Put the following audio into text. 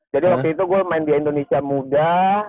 jadi waktu itu gue main di indonesia muda